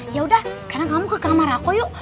yaudah sekarang kamu ke kamar aku yuk